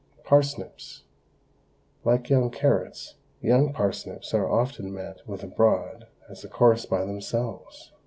PARSNIPS. Like young carrots, young parsnips are often met with abroad as a course by themselves.